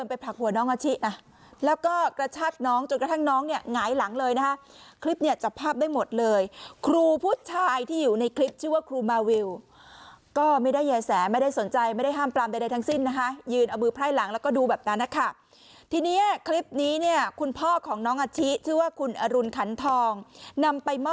ไปผลักหัวน้องอาชินะแล้วก็กระชากน้องจนกระทั่งน้องเนี่ยหงายหลังเลยนะคะคลิปเนี่ยจับภาพได้หมดเลยครูผู้ชายที่อยู่ในคลิปชื่อว่าครูมาวิวก็ไม่ได้ยายแสไม่ได้สนใจไม่ได้ห้ามปรามใดทั้งสิ้นนะคะยืนเอามือไพร่หลังแล้วก็ดูแบบนั้นนะคะทีนี้คลิปนี้เนี่ยคุณพ่อของน้องอาชิชื่อว่าคุณอรุณขันทองนำไปม